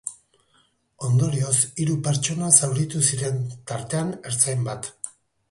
Ondorioz, hiru pertsona zauritu ziren, tartean ertzain bat.